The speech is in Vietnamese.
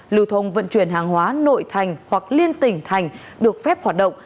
lưu thông vận chuyển hàng hóa nội thành hoặc liên tỉnh thành được phép hoạt động